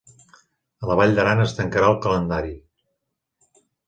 A la Vall d'Aran es tancarà el calendari.